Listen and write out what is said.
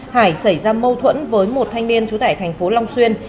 hải xảy ra mâu thuẫn với một thanh niên trú tại thành phố long xuyên